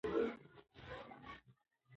موبایل به سهار وختي بیا زنګ وهي.